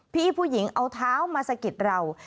พี่ผู้หญิงเอาเท้ามาสะกิดเรา